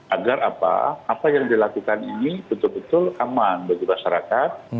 agar apa apa yang dilakukan ini betul betul aman bagi masyarakat